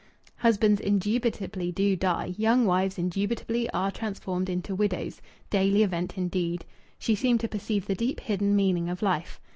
Husbands indubitably do die, young wives indubitably are transformed into widows daily event, indeed!... She seemed to perceive the deep, hidden meaning of life.